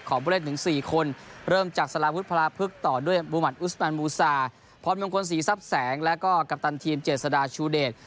ขอบริเวณถึง๔คนเริ่มจากสารพุทธพลาพฤกษ์ต่อด้วยบุมัติอุสมันมูซาพร้อมเมียมคนสีซับแสงแล้วก็กัปตันทีมเจศดาชูเดช